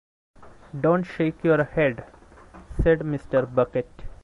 "Don't shake your head," said Mr. Bucket.